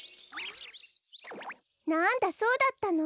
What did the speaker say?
なんだそうだったの。